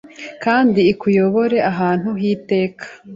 Kandi ikuyobore ahantu h'iteka